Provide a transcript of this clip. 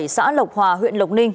xã lộc hòa huyện lộc ninh